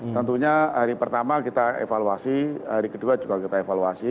tentunya hari pertama kita evaluasi hari kedua juga kita evaluasi